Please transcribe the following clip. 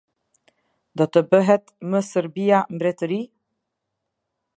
Do të bëhet më Serbia mbretëri?